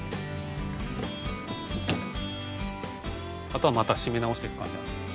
あとはまた締め直していく感じ。